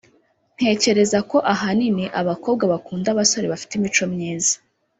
ntekereza ko ahanini abakobwa bakunda abasore bafite imico myiza